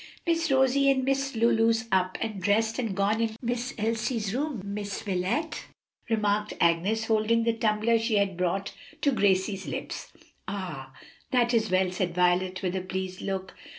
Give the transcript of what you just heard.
"Miss Rosie and Miss Lulu's up and dressed and gone into Miss Elsie's room, Miss Wilet," remarked Agnes, holding the tumbler she had brought to Gracie's lips. "Ah, that is well," said Violet, with a pleased look.